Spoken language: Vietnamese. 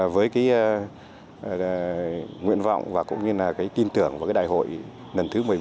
với nguyện vọng và tin tưởng vào đại hội lần thứ một mươi một